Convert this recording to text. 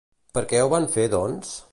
Per què ho van fer doncs?